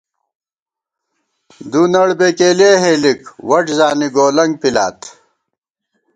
دُونڑ بېکېلِیَہ ہېلِک، وَٹ زانی گولَنگ پِلات